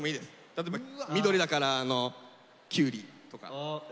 例えば緑だから「きゅうり」とか。